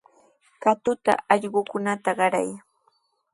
Katuta allqukunata qaray.